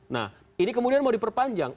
nah ini kemudian mau diperpanjang